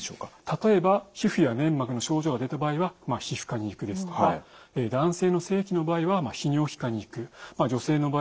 例えば皮膚や粘膜の症状が出た場合は皮膚科に行くですとか男性の性器の場合は泌尿器科に行く女性の場合は婦人科に行く。